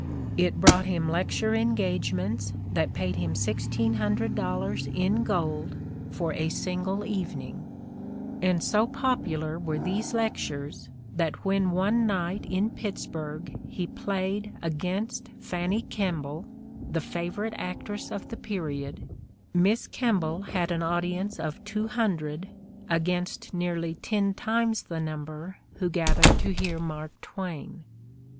'' It brought him lecture "^wagements that paid him $1,600 in gold for a single In the Crucible 91 evening; and so popular were these lectures that when one night in Pittsburgh he "played" against Fanny Kemble, the favorite actress of the period, "Miss Kemble had an audience of two hundred against nearly ten times the number who gathered to hear Mark Twain.